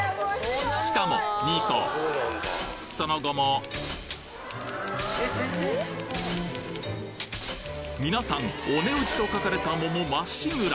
しかも２個その後も皆さんお値打ちと書かれた桃まっしぐら！